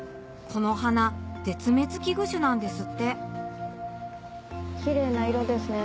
この花絶滅危惧種なんですってキレイな色ですね